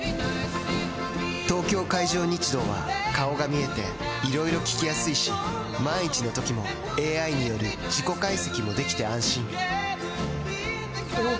東京海上日動は顔が見えていろいろ聞きやすいし万一のときもＡＩによる事故解析もできて安心おぉ！